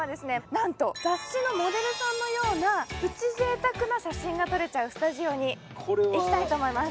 なんと雑誌のモデルさんのようなプチ贅沢な写真が撮れちゃうスタジオに行きたいと思います